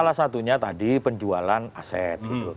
salah satunya tadi penjualan aset